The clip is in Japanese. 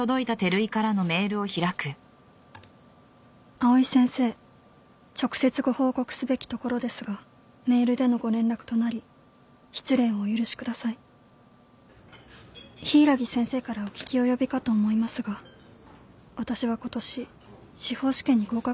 「藍井先生直接ご報告すべきところですがメールでのご連絡となり失礼をお許しください」「柊木先生からお聞き及びかと思いますが私は今年司法試験に合格することができませんでした」